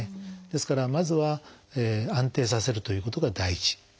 ですからまずは安定させるということが第一。